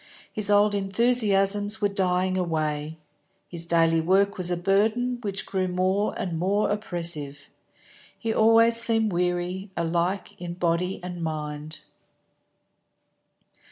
His old enthusiasms were dying away. His daily work was a burden which grew more and more oppressive. He always seemed weary, alike in body and mind.